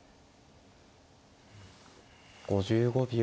５５秒。